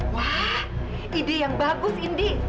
wah ide yang bagus indi